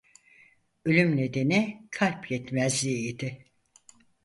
Ölüm nedeni kalp yetmezliği idi.